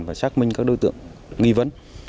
và xác minh các đối tượng nghi vấn